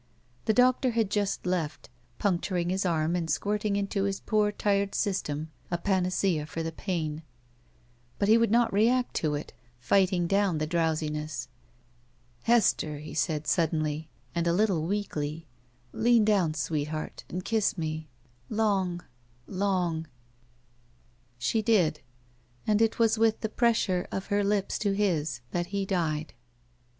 The doctor had just left, pimcturing his arm and squirting into his poor tired system a panacea for the pain. But he would not react to it, fighting down the drowsiness. "Hester," he said, suddenly, and a little weakly, "lean down, sweetheart, and Idss me — ^long — ^long —" She did, and it was with the pressure of her lips to his that he died.